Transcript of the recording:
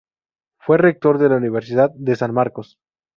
Fue rector de la Universidad de San Marcos.